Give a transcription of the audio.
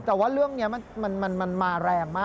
แต่ว่าเรื่องนี้มันมาแรงมาก